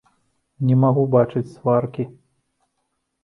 Не магу бачыць сваркі.